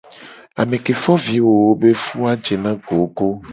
Ame ke fo vi wowo be fu a jena gogo.